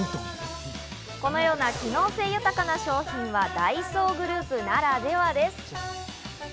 このような機能性豊かな商品はダイソーグループならではです。